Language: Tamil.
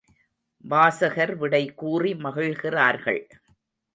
வாசகர் விடை கூறி மகிழ்கிறார்கள்.